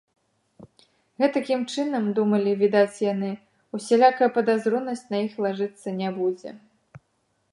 Гэтакім чынам, думалі, відаць, яны, усялякая падазронасць на іх лажыцца не будзе.